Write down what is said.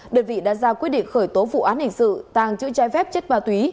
đơn vị đã ra quyết định khởi tố vụ án hình sự tàng trữ che phép chất ma túy